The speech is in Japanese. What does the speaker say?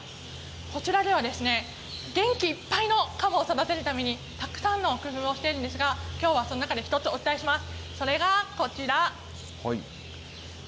こちらではですね元気いっぱいのかもを育てるためにたくさんの工夫をしているんですがきょうはその中の１つお伝えします。